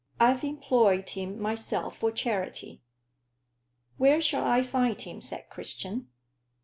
I've employed him myself for charity." "Where shall I find him?" said Christian.